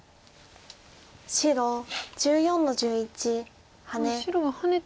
白１４の十一ハネ。